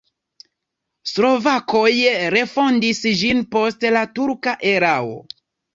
Slovakoj refondis ĝin post la turka erao.